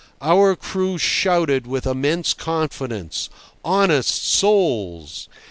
Our crew shouted with immense confidence—honest souls!